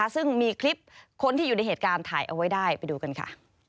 ซึ่งมีคลิปคนที่อยู่ในเหตุการณ์ถ่ายเอาไว้ได้ไปดูกันค่ะ